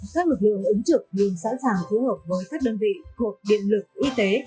các lực lượng ứng trực đều sẵn sàng phù hợp với các đơn vị thuộc điện lực y tế